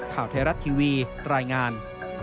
ข่าวไทยรัฐทีวีรายงาน